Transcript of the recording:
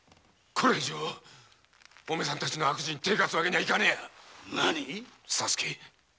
これ以上お前さんたちの悪事に手を貸すわけにはいかねぇ左助。